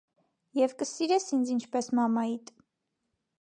- Եվ կսիրե՞ս ինձ ինչպես մամայիդ: